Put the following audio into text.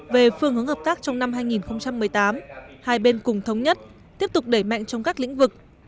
về phương hướng hợp tác trong năm hai nghìn một mươi tám hai bên cùng thống nhất tiếp tục đẩy mạnh trong các lĩnh vực